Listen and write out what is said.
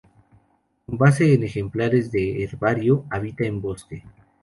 Con base en ejemplares de herbario, habita en bosque.